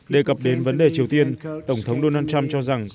đề cập đến vấn đề triều tiên tổng thống donald trump cho rằng